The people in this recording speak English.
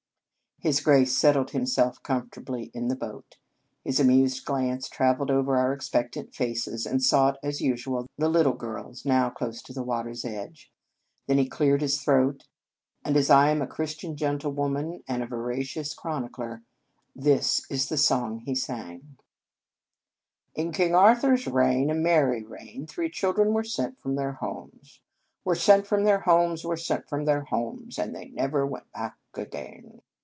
His Grace settled himself comfort ably in the boat. His amused glance travelled over our expectant faces, and sought as usual the little girls, now close to the water s edge. Then he cleared his throat, and, as I am a Chris 121 In Our Convent Days tian gentlewoman, and a veracious chronicler, this is the song he sang: 44 In King Arthur s reign, a merry reign, Three children were sent from their homes, Were sent from their homes, were sent from their homes, And they never went back again.